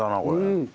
うん。